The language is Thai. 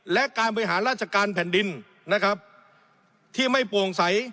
และการบริหารราชการแผ่นดินนะครับที่ไม่โปร่งใส